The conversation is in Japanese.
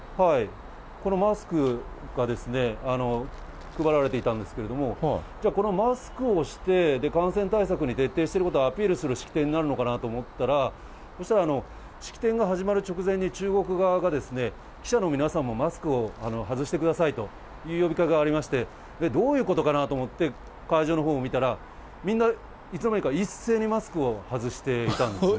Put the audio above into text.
このマスクが配られていたんですけど、じゃあこのマスクをして、感染対策に徹底することをアピールする式典になるのかなと思ったら、そうしたら式典が始まる直前に中国側が記者の皆さんもマスクを外してくださいという呼びかけがありまして、どういうことかなと思って、会場のほうを向いたら、みんないつの間にか、一斉にマスクを外していたんですね。